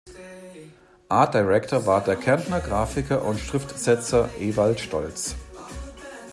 Art Director war der Kärntner Grafiker und Schriftsetzer Ewald Stolz.